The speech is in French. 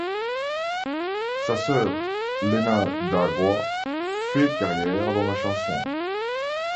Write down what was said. Sa sœur, Lena D'Água, fait carrière dans la chanson.